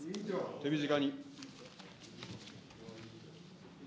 手短に。